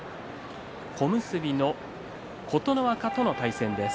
小結琴ノ若との対戦です。